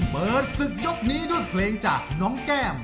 เปิดศึกยกนี้ด้วยเพลงจากน้องแก้ม